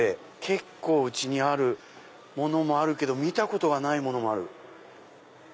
結構うちにあるものもあるけど見たことがないものもある。